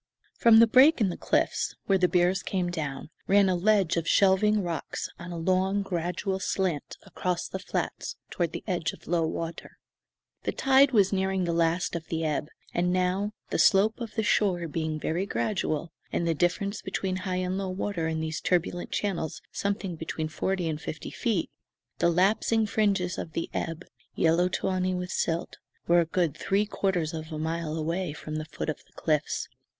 From the break in the cliffs, where the bears came down, ran a ledge of shelving rocks on a long, gradual slant across the flats toward the edge of low water. The tide was nearing the last of the ebb; and now, the slope of the shore being very gradual, and the difference between high and low water in these turbulent channels something between forty and fifty feet, the lapsing fringes of the ebb, yellow tawny with silt, were a good three quarters of a mile away from the foot of the cliffs.